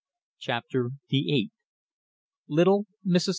CHAPTER THE EIGHTH LITTLE MRS.